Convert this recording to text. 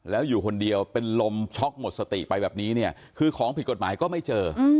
แล้วอยู่คนเดียวเป็นลมช็อกหมดสติไปแบบนี้เนี่ยคือของผิดกฎหมายก็ไม่เจอ